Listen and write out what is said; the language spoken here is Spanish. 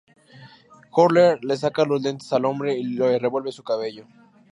Horler le saca los lentes al hombre y le revuelve su cabello.